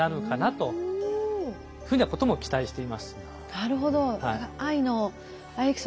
なるほど。